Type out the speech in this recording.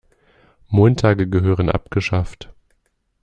Montage gehören abgeschafft.